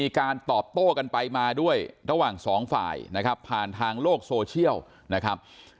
การตอบโต้กันไปมาด้วยระหว่างสองฝ่ายนะครับผ่านทางโลกโซเชียลนะครับ